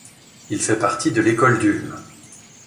Il fait partie de l'école d'Ulm.